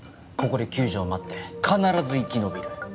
ここで救助を待って必ず生き延びる。